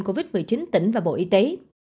covid một mươi chín tỉnh và bộ y tế